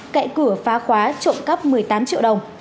cậy cửa phá khóa trộm cắp một mươi tám triệu đồng